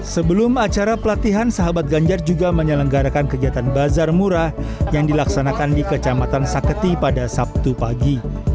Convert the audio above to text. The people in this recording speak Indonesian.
sebelum acara pelatihan sahabat ganjar juga menyelenggarakan kegiatan bazar murah yang dilaksanakan di kecamatan saketi pada sabtu pagi